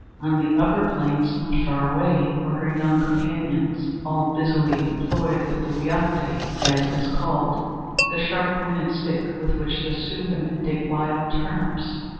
On the upper plains, not far away, were her young companions, all busily employed with the wewoptay, as it is called the sharp pointed stick with which the Sioux women dig wild turnips.